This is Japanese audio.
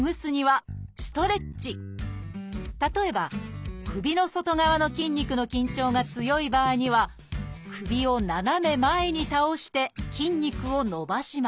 例えば首の外側の筋肉の緊張が強い場合には首を斜め前に倒して筋肉を伸ばします